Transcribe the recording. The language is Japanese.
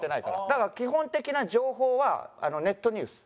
だから基本的な情報はネットニュース。